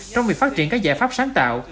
trong việc phát triển các giải pháp sáng tạo